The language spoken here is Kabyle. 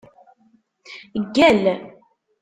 Gall!